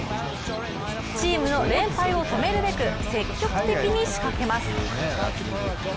チームの連敗を止めるべく積極的に仕掛けます。